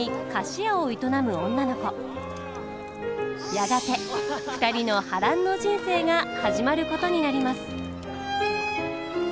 やがて２人の波乱の人生が始まることになります。